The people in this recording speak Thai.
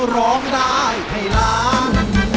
ร้องได้ให้ล้าน